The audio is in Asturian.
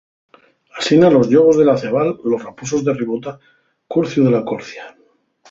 Asina los llobos de L'Acebal, los raposos de Ribota, curciu de La Corcia.